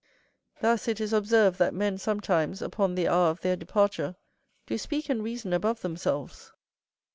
Thus it is observed, that men sometimes, upon the hour of their departure, do speak and reason above themselves.